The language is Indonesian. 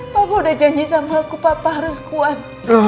papa udah janji sama aku papa harus kuat